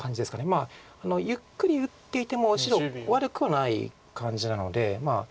まあゆっくり打っていても白悪くはない感じなので。